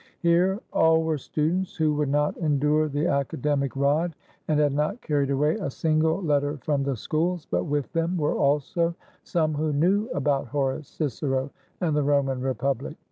Here all were students who would not endure the academic rod, and had not carried away 62 LIFE AT THE SETCH a single letter from the schools; but with them were also some who knew about Horace, Cicero, and the Roman Republic.